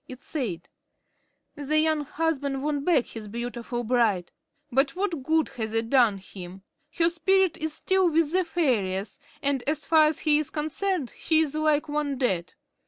It said: "The young husband won back his beautiful bride. But what good has it done him? Her spirit is still with the fairies, and, as far as he is concerned, she is like one dead."